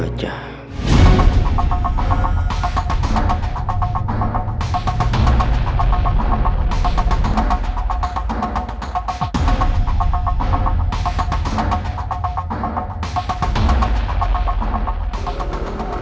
beraninya dia makin takut